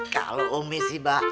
kalau umi sih bah